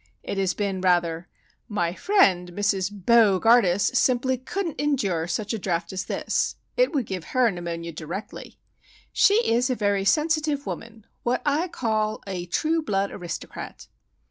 It has been rather,— "My friend Mrs. Bo gardus simply couldn't endure such a draught as this. It would give her pneumonia directly. She is a very sensitive woman;—what I call a true blood aristocrat."